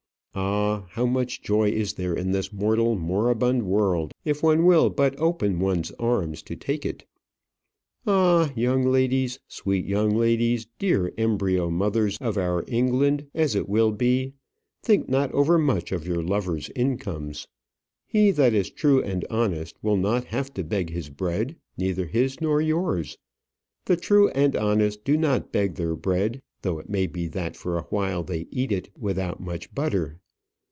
Ah! how much joy is there in this mortal, moribund world if one will but open one's arms to take it! Ah! young ladies, sweet young ladies, dear embryo mothers of our England as it will be, think not overmuch of your lovers' incomes. He that is true and honest will not have to beg his bread neither his nor yours. The true and honest do not beg their bread, though it may be that for awhile they eat it without much butter.